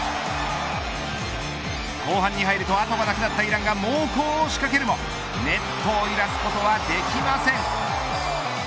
後半に入ると後がなくなったイランが猛攻を仕掛けるもネットを揺らすことはできません。